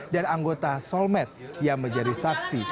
dan anggota solmed yang menjadi saksi